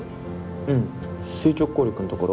うん垂直抗力のところ？